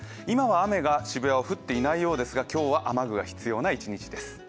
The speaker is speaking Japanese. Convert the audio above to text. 今は雨が渋谷は降っていないようですが今日は雨具が必要な一日です。